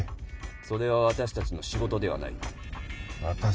それは私たちの仕事ではない。